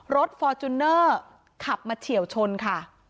ฟอร์จูเนอร์ขับมาเฉียวชนค่ะ